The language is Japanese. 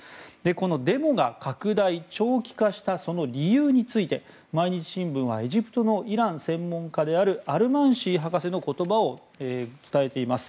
このデモが拡大・長期化した理由について毎日新聞はエジプトのイラン専門家であるアルマンシー博士の言葉を伝えています。